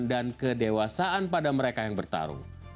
dan kedewasaan pada mereka yang bertarung